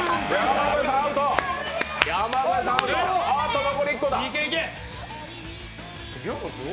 あと残り１個だ。